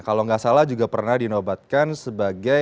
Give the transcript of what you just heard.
kalau nggak salah juga pernah dinobatkan sebagai